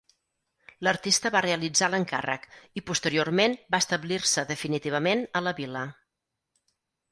L'artista va realitzar l'encàrrec i posteriorment va establir-se definitivament a la vila.